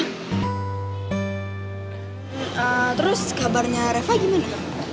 terus kabarnya reva gimana